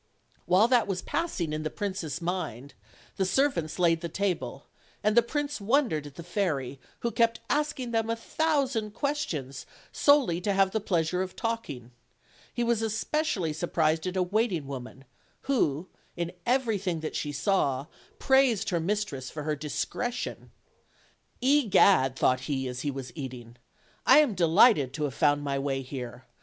While that was passing in the prince's mind, the serv ants laid the table; and the prince wondered at the fairy, who kept asking them a thousand questions, solely to have the pleasure of talking: he was especially sur prised at a waiting woman, who, in everything that she saw, praised her mistress for her discretion. "Egad!" thought he as he was eating, "I am delighted to have found my way here.